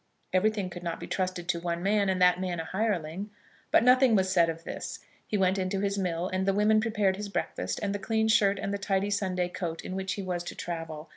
Everything could not be trusted to one man, and that man a hireling. But nothing was said of this. He went into his mill, and the women prepared his breakfast, and the clean shirt and the tidy Sunday coat in which he was to travel.